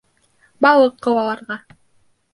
Балыҡ ҡыуаларға.